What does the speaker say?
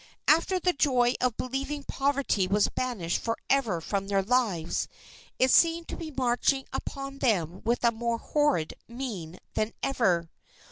After the joy of believing poverty was banished forever from their lives, it seemed to be marching upon them with a more horrid mien than ever.